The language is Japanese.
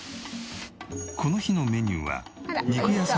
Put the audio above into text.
この日のメニューは肉野菜炒めや。